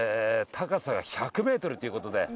高さが１００ｍということで。